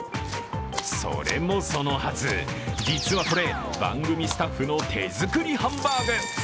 それもそのはず、実はこれ、番組スタッフの手作りハンバーグ。